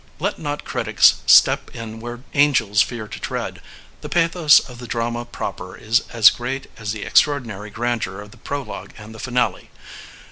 Let not critics step in where angels fear to tread. The pathos of the drama proper is as great as the extraordinary grandeur of the pro logue and the finale.